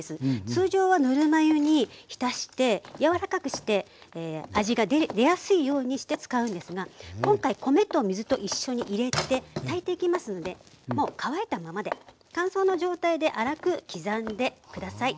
通常はぬるま湯に浸して柔らかくして味が出やすいようにして使うんですが今回米と水と一緒に入れて炊いていきますのでもう乾いたままで乾燥の状態で粗く刻んで下さい。